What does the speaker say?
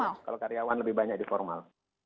kalau karyawan kalau karyawan lebih banyak di formal